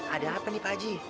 ada apa nih pak haji